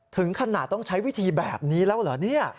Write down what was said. ถึงขนาดต้องใช้วิธีแบบนี้แล้วเหรอเนี่ย